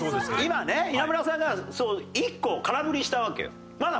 今ね稲村さんが１個空振りしたわけよ。